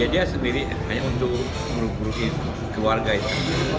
dia sendiri hanya untuk merubuhi keluarga itu